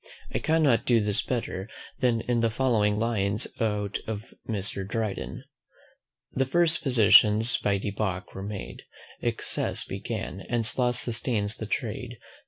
I cannot do this better, than in the following lines out of Mr. Dryden. The first physicians by debauch were made; Excess began, and sloth sustains the trade.